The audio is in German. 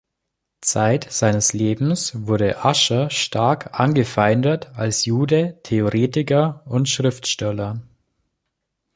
Zeit seines Lebens wurde Ascher stark angefeindet, als Jude, Theoretiker und Schriftsteller.